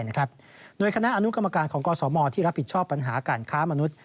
โดยคณะอนุกรรมการของกศมที่รับผิดชอบปัญหาการค้ามนุษย